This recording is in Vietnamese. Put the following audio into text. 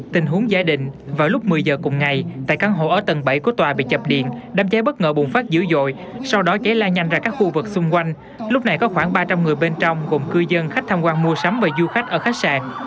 tình huống gia đình vào lúc một mươi giờ cùng ngày tại căn hộ ở tầng bảy của tòa bị chập điện đám cháy bất ngờ bùng phát dữ dội sau đó cháy lan nhanh ra các khu vực xung quanh lúc này có khoảng ba trăm linh người bên trong gồm cư dân khách tham quan mua sắm và du khách ở khách sạn